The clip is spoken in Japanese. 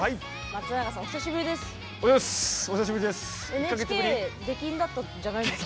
松永さん、お久しぶりです。